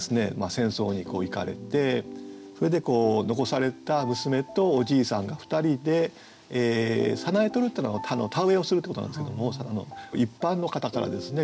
戦争に行かれてそれで残されたむすめとおじいさんが二人で「早苗とる」っていうのは田植えをするってことなんですけども一般の方からですね